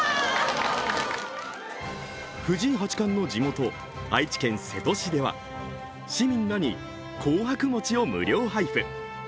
藤井八冠の地元、愛知県瀬戸市では市民らに紅白餅を無料配布。